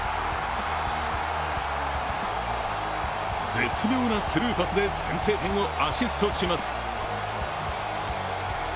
絶妙なスルーパスで先制点をアシストします。